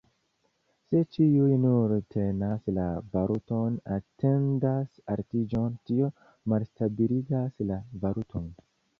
Se ĉiuj nur tenas la valuton, atendante altiĝon, tio malstabiligas la valuton.